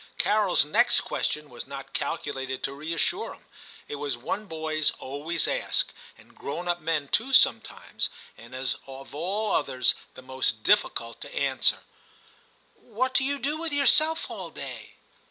Carol's next question 44 TIM CHAP. was not calculated to reassure him ; it was one boys always ask, and grown up men too sometimes, and is of all others the most difficult to answer —* What do you do with yourself all day